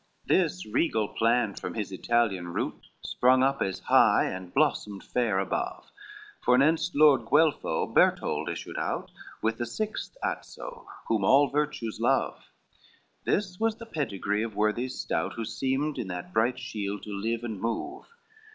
LXXXI This regal plant from his Italian rout Sprung up as high, and blossomed fair above, Fornenst Lord Guelpho, Bertold issued out, With the sixth Azzo whom all virtues love; This was the pedigree of worthies stout, Who seemed in that bright shield to live and move.